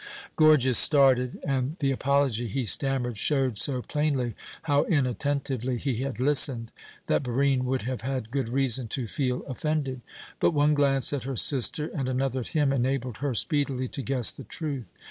Gorgias started, and the apology he stammered showed so plainly how inattentively he had listened, that Barine would have had good reason to feel offended. But one glance at her sister and another at him enabled her speedily to guess the truth.